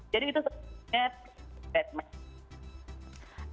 jadi itu sebenarnya bad manner